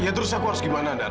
ya terus aku harus gimana